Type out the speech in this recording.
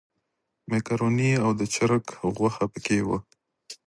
مېکاروني او د چرګ غوښه په کې وه.